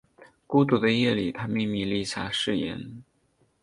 孤独的夜里他秘密立下誓言